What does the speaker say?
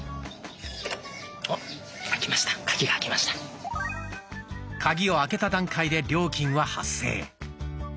カギを開けた段階で料金は発生。